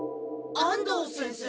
安藤先生？